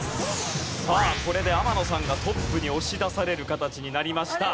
さあこれで天野さんがトップに押し出される形になりました。